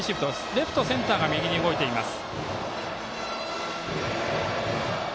レフト、センターが右に動いています。